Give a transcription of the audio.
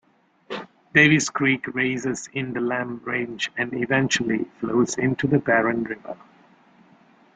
Davies Creek raises in the Lamb Range and eventually flows into the Barron River.